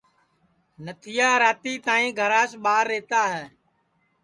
نتھیا راتی تائی گھراس ٻار رہتا ہے